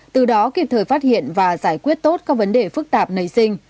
từ đó kịp thời phát hiện và giải quyết tốt các vấn đề phức tạp nảy sinh